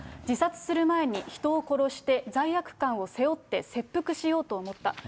自殺する前に人を殺して罪悪感を背負って切腹しようと思った。